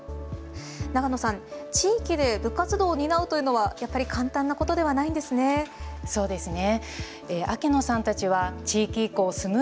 永野さん、地域で部活動を担うというのはやっぱり簡単なことではないんですね。